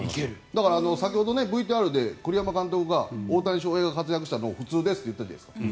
だから、先ほどＶＴＲで栗山監督が大谷翔平の活躍は普通ですって言ってたじゃないですか。